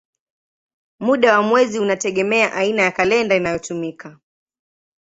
Muda wa mwezi unategemea aina ya kalenda inayotumika.